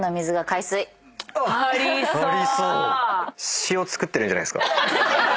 塩作ってるんじゃないっすか。